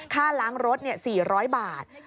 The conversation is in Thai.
ค่าล้างรถเนี่ย๔๐๐บาท